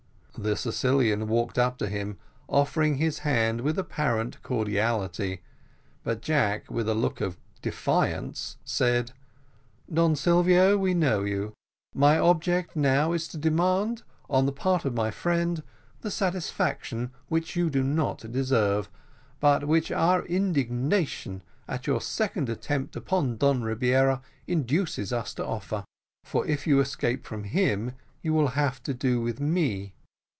The Sicilian walked up to him, offering his hand with apparent cordiality; but Jack with a look of defiance said, "Don Silvio, we know you; my object now is to demand, on the part of my friend, the satisfaction which you do not deserve, but which our indignation at your second attempt upon Don Rebiera induces us to offer; for if you escape from him you will have to do with me.